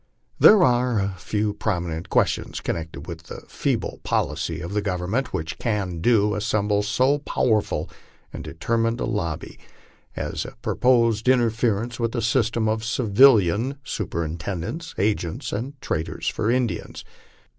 There are few prominent questions connecte.d with the feeble pol icy of the Government which can and do assemble so powerful and deter mined a lobby as a, proposed interference with the system of civilian superin tendents, agents, and traders for the Indians.